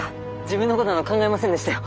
自分のことなど考えませんでしたよ。